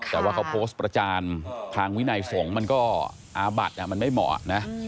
แต่ว่าเขาโพสต์ประจานทางวินัยสงฆ์มันก็อาบัติมันไม่เหมาะนะ